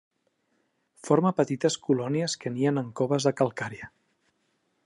Forma petites colònies que nien en coves de calcària.